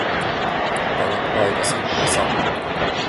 Palat aikasi ja sammut.